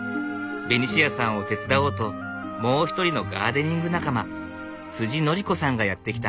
ベニシアさんを手伝おうともう一人のガーデニング仲間典子さんがやって来た。